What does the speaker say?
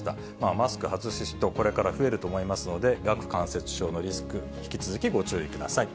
マスク外す人、これから増えると思いますので、顎関節症のリスク、引き続きご注意ください。